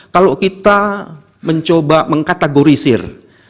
kalau kita mencoba mengkategorisir